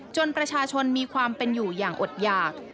ประชาชนมีความเป็นอยู่อย่างอดหยาก